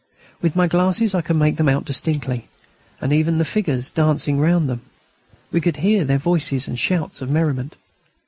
With my glasses I could make them out distinctly, and even the figures dancing round them; and we could hear their voices and shouts of merriment.